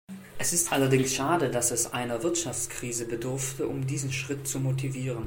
Es ist allerdings schade, dass es einer Wirtschaftskrise bedurfte, um diesen Schritt zu motivieren.